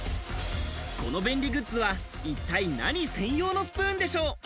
この便利グッズは一体何専用のスプーンでしょう？